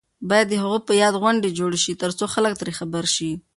باید د هغوی په یاد غونډې جوړې شي ترڅو خلک ترې خبر شي.